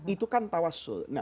itu kan tawassul